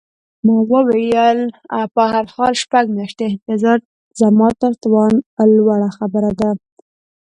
ما وویل: په هر حال، شپږ میاشتې انتظار زما تر توان لوړه خبره ده.